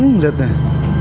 nih liat neng